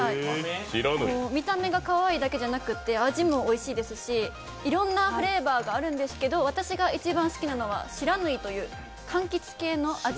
見た目がかわいいだけじゃなくて味もおいしいですし、いろんなフレーバーがあるんですけど私が一番好きなのは不知火というかんきつ系の味。